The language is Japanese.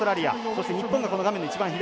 そして日本が画面の一番左。